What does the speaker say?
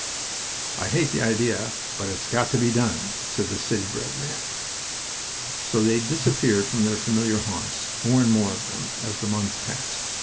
"I hate the idea, but it's got to be done," said the city bred man. So they disappeared from their familiar haunts more and more of them as the months passed.